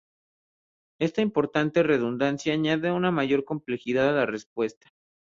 Esta importante redundancia añade una mayor complejidad a la respuesta.